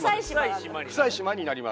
クサい島になります。